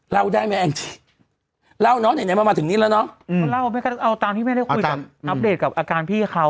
เล่าได้ไหมแองจี้เล่าเนอะไหนมันมาถึงนี่แล้วเนอะเอาตามที่แม่ได้คุยกับอัปเดตกับอาการพี่เขา